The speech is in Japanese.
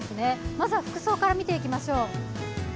まずは服装から見ていきましょう。